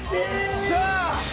よっしゃー！